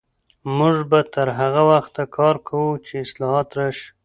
موږ به تر هغه وخته کار کوو چې اصلاحات راشي.